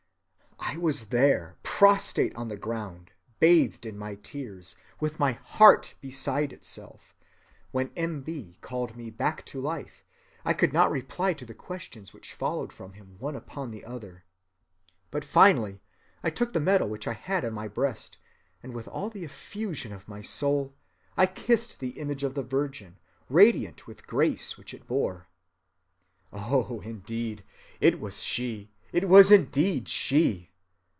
"I was there prostrate on the ground, bathed in my tears, with my heart beside itself, when M. B. called me back to life. I could not reply to the questions which followed from him one upon the other. But finally I took the medal which I had on my breast, and with all the effusion of my soul I kissed the image of the Virgin, radiant with grace, which it bore. Oh, indeed, it was She! It was indeed She!